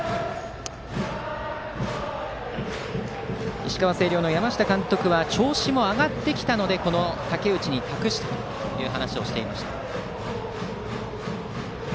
石川・星稜の山下監督は調子も上がってきたのでこの武内に託したという話をしていました。